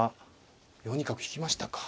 ４二角引きましたか。